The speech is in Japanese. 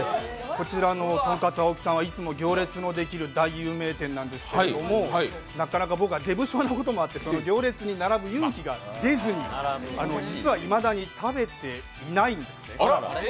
こちらのとんかつ檍さんはいつも行列のできる大有名店なんですけれどもなかなか僕は出不精なこともあって行列に並ぶ勇気が出ずに実はいまだに食べていないんですね。